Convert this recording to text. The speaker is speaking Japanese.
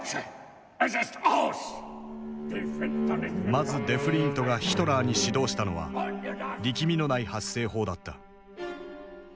まずデフリーントがヒトラーに指導したのは力みのない発声法だった。